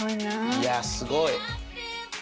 いやすごい。